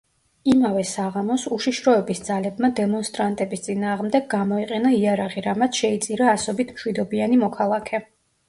იმავე საღამოს უშიშროების ძალებმა დემონსტრანტების წინააღმდეგ გამოიყენა იარაღი, რამაც შეიწირა ასობით მშვიდობიანი მოქალაქე.